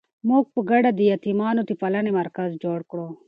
موږ به په ګډه د یتیمانو د پالنې مرکز جوړ کړو.